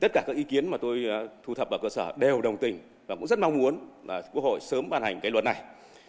tất cả các ý kiến mà tôi thu thập vào cơ sở đều đồng tình và cũng rất mong muốn quốc hội sớm bàn hành luật này